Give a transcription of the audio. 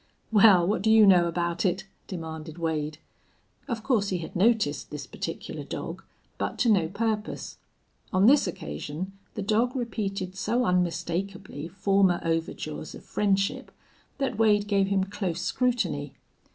"Well, what do you know about it?" demanded Wade. Of course he had noticed this particular dog, but to no purpose. On this occasion the dog repeated so unmistakably former overtures of friendship that Wade gave him close scrutiny.